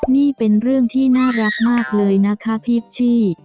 นี่เป็นเรื่องที่น่ารักมากเลยนะคะพีชชี่